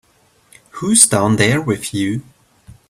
Who's down there with you?